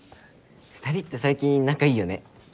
２人って最近仲いいよね。